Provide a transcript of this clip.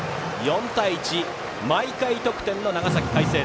４対１、毎回得点の長崎の海星。